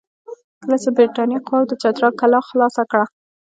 کله چې د برټانیې قواوو د چترال کلا خلاصه کړه.